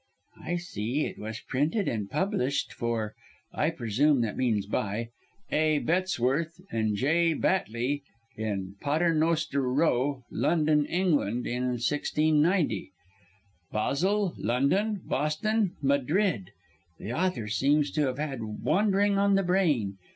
"I see it was printed and published for I presume that means by A. Bettesworth and J. Batley in Pater noster Row, London, England, in 1690. Basle, London, Boston, Madrid! The author seems to have had wandering on the brain.